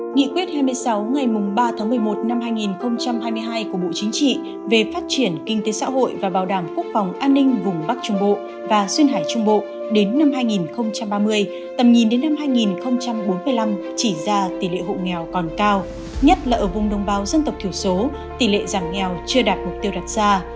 nghị quyết hai mươi sáu ngày ba tháng một mươi một năm hai nghìn hai mươi hai của bộ chính trị về phát triển kinh tế xã hội và bảo đảm quốc phòng an ninh vùng bắc trung bộ và xuân hải trung bộ đến năm hai nghìn ba mươi tầm nhìn đến năm hai nghìn bốn mươi năm chỉ ra tỷ lệ hộ nghèo còn cao nhất là ở vùng đông bao dân tộc thiểu số tỷ lệ giảm nghèo chưa đạt mục tiêu đặt ra